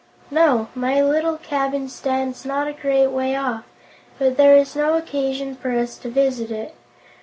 "No; my little cabin stands not a great way off, but there is no occasion for us to visit it.